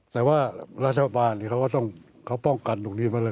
แต่ว่าราชบาลเขาก็ต้องนิของตรวจต่อกันตรงนี้มาเลย